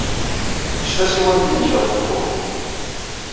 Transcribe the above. Ejj tasiwant-nnek ɣef tewwurt.